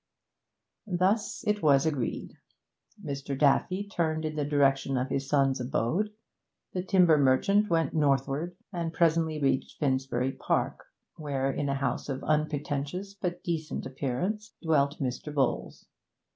Thus it was agreed. Mr. Daffy turned in the direction of his son's abode; the timber merchant went northward, and presently reached Finsbury Park, where in a house of unpretentious but decent appearance, dwelt Mr. Bowles.